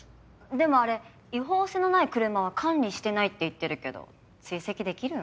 でもあれ違法性のない車は管理してないって言ってるけど追跡できるの？